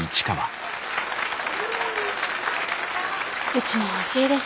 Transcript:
うちも欲しいですね